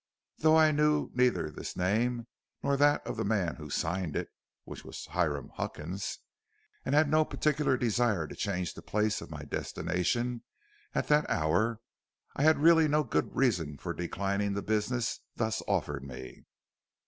Though I knew neither this name, nor that of the man who signed it, which was Hiram Huckins, and had no particular desire to change the place of my destination at that hour, I had really no good reason for declining the business thus offered me.